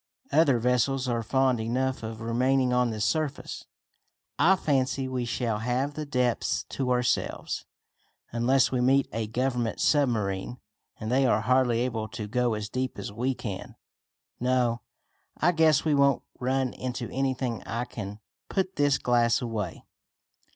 Other vessels are fond enough of remaining on the surface. I fancy we shall have the depths to ourselves, unless we meet a Government submarine, and they are hardly able to go as deep as we can. No, I guess we won't run into anything and I can put this glass away."